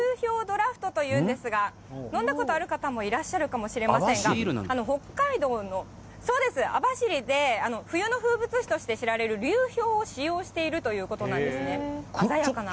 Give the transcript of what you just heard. こちら、流氷ドラフトというんですが、飲んだことある方もいらっしゃるかもしれませんが、北海道の網走で冬の風物詩として知られる流氷を使用しているということなんですね。